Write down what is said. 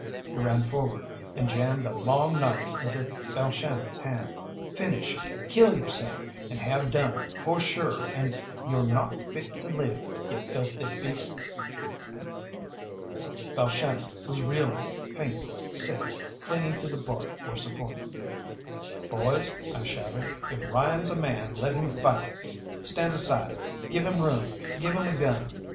He ran forward, and jammed a long knife into Balshannon's hand. "Finish! Kill yourself, and have done, for shure an' you're not fit to live, ye filthy beast!" Balshannon was reeling, faint, sick, clinging to the bar for support. "Boys," I shouted, "if Ryan's a man, let him fight. Stand aside, give him room, give him a gun.